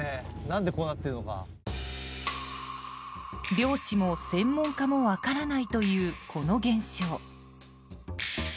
漁師も専門家も分からないというこの現象。